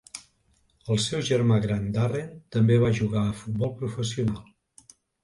El seu germà gran Darren també va jugar a futbol professional.